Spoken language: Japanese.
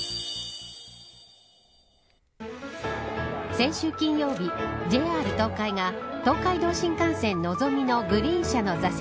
先週金曜日ＪＲ東海が東海道新幹線のぞみのグリーン車の座席